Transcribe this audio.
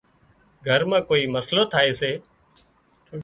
گھر مان ڪوئي مسئلو ٿائي سي